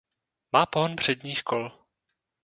Má pohon předních kol.